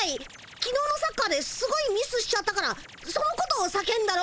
きのうのサッカーですごいミスしちゃったからそのことを叫んだの。